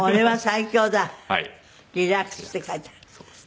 「リラックス」って書いてあります。